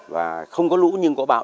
và không có lũ nhưng có bão